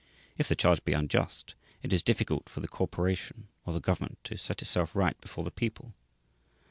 If the charge be unjust it is difficult for the corporation or the government to set itself right before the people.